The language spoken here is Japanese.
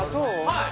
はい。